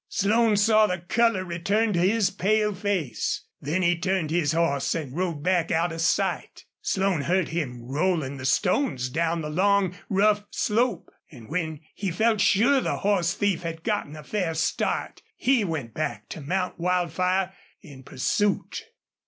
Slone saw the color return to his pale face. Then he turned his horse and rode back out of sight. Slone heard him rolling the stones down the long, rough slope; and when he felt sure the horse thief had gotten a fair start he went back to mount Wildfire in pursuit.